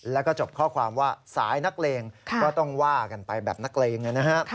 แล้วก็จบข้อความว่าสายนักเลงก็ต้องว่ากันไปแบบนักเลงนะฮะ